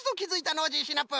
ノージーシナプー。